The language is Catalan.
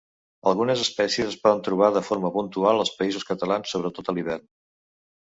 Algunes espècies es poden trobar de forma puntual als Països Catalans, sobretot a l'hivern.